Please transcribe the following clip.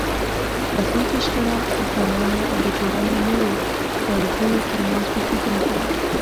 راتلونکې شخړه د خانانو او د ټولنې نورو پاړکیو ترمنځ پېښېدونکې وه.